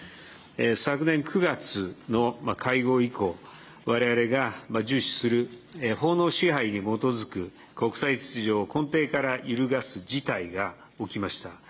昨年９月の会合以降、われわれが重視する、法の支配に基づく国際秩序を根底から揺るがす事態が起きました。